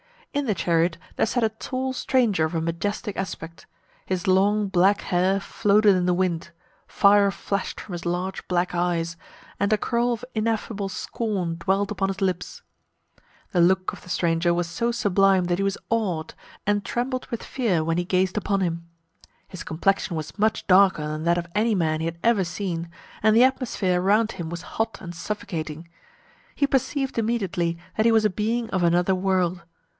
In the chariot there sat a tall stranger of a majestic aspect; his long black hair floated in the wind fire flashed from his large black eyes, and a curl of ineffable scorn dwelt upon his lips. The look of the stranger was so sublime that he was awed, and trembled with fear when he gazed upon him. His complexion was much darker than that of any man he had ever seen, and the atmosphere around him was hot and suffocating. He perceived immediately that he was a being of another world.